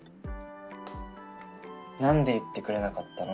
何で言ってくれなかったの？